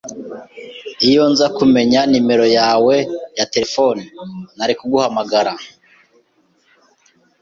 Iyo nza kumenya numero yawe ya terefone, nari kuguhamagara.